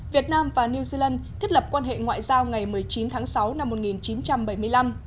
việt nam và new zealand thiết lập quan hệ ngoại giao ngày một mươi chín tháng sáu năm một nghìn chín trăm bảy mươi năm